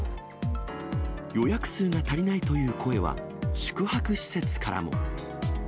予約数が足りないという声は、宿泊施設からも。